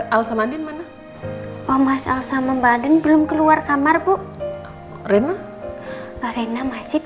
alsa mandin mana omas alsa membanding belum keluar kamar bu rena rena masih